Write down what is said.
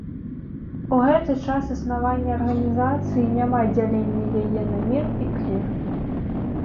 У гэты час існавання арганізацыі няма дзялення яе на мір і клір.